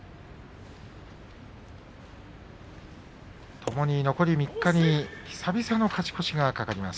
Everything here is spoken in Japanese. ともに残り３日に久々の勝ち越しが懸かります。